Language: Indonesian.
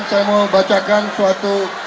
saya mau bacakan suatu